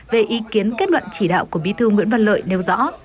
về ý kiến kết luận chỉ đạo của bí thư nguyễn văn lợi nêu rõ